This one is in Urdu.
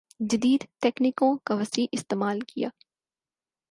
جدید تکنیکوں کا وسیع استعمال کِیا